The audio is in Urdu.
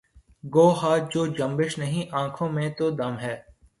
گو ہاتھ کو جنبش نہیں آنکھوں میں تو دم ہے